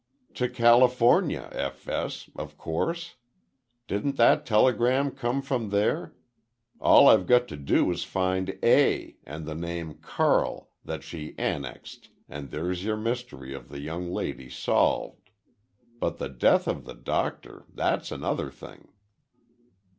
"To California, F. S., of course. Didn't that telegram come from there? All I've got to do is to find 'A' and the 'Carl' that she 'annexed' and there's your mystery of the young lady solved. But the death of the Doctor—that's another thing."